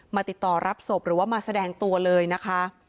ติดต่อรับศพหรือว่ามาแสดงตัวเลยนะคะ